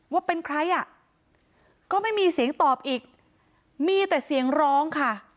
ว่าเป็นใครอ่ะก็ไม่มีเสียงตอบอีกมีแต่เสียงร้องค่ะ